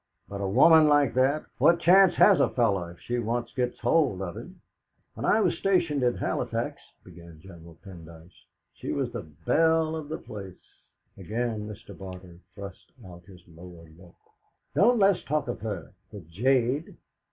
"But a woman like that! What chance has a fellow if she once gets hold of him?" "When I was stationed at Halifax," began General Pendyce, "she was the belle of the place " Again Mr. Barter thrust out his lower lip. "Don't let's talk of her the jade!"